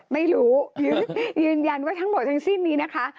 ไม่รู้ยืนยันว่าทั้งหมดทั้งสิ้นนี้นะคะ